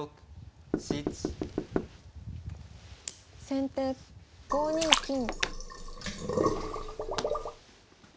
先手５二金。